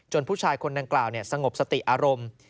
ผู้ชายคนดังกล่าวสงบสติอารมณ์